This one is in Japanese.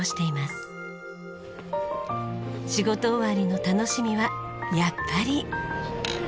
仕事終わりの楽しみはやっぱり。